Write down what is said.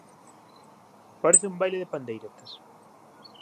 Parece un baile de pandeiretas